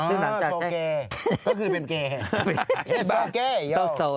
ซ้องเกย์เมนเกย์